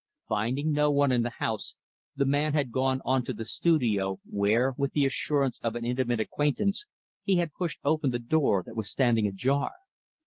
Finding no one in the house the man had gone on to the studio, where with the assurance of an intimate acquaintance he had pushed open the door that was standing ajar.